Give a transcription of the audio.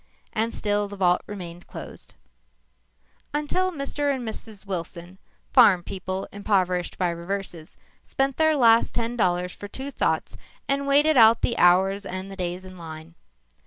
And still the vault remained closed. Until Mr. and Mrs. Wilson, farm people impoverished by reverses, spent their last ten dollars for two thoughts and waited out the hours and the days in line.